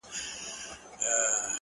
په دې پردي وطن كي؛